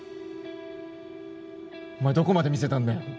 お前どこまで見せたんだよ